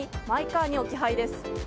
マイカーに置き配です。